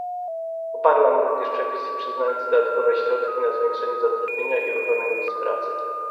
Poparłam również przepisy przyznające dodatkowe środki na zwiększenie zatrudnienia i ochronę miejsc pracy